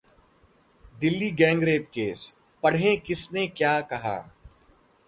Delhi gang rape case पढ़ें किसने क्या कहा